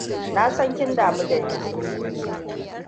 Na san kin damu da Yusuf.